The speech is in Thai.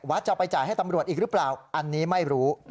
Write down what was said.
จะไปจ่ายให้ตำรวจอีกหรือเปล่าอันนี้ไม่รู้